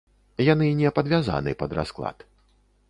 Яны не падвязаны пад расклад.